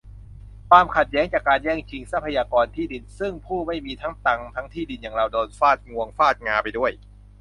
ความขัดแย้งจากการแย่งชิงทรัพยากร-ที่ดิน ซึ่งผู้ไม่มีทั้งตังค์ทั้งที่ดินอย่างเรา โดนฟาดงวงฟาดงาไปด้วย